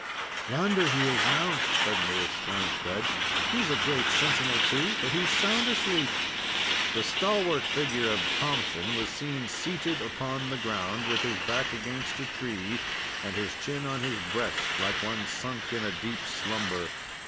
"Yonder he is now," suddenly exclaimed Fred. "He's a great sentinel, too, for he's sound asleep." The stalwart figure of Thompson was seen seated upon the ground, with his back against a tree, and his chin on his breast, like one sunk in a deep slumber.